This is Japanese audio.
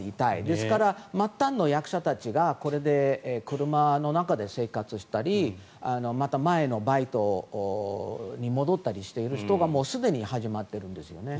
ですから末端の役者たちが車の中で生活をしたり前のバイトに戻ったりしている人がすでに始まっているんですよね。